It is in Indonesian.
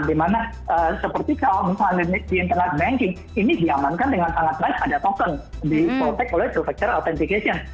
di mana seperti kalau misalnya di internet banking ini diamankan dengan sangat terang ada token diprotek oleh sub factor authentication